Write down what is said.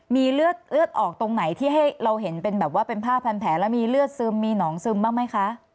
มีเลือดออกตรงไหนที่ให้เราเห็นเป็นแบบว่าเป็นผ้าพันแผลแล้วมีเลือดซึมมีหนองซึมบ้างไหมคะ